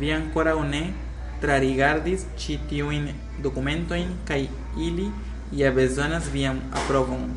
Vi ankoraŭ ne trarigardis ĉi tiujn dokumentojn, kaj ili ja bezonas vian aprobon.